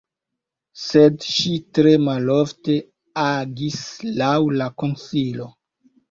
Sed ŝi tre malofte agis laŭ la konsilo!